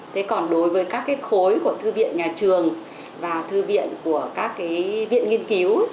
thế còn đối với các khối của thư viện nhà trường và thư viện của các viện nghiên cứu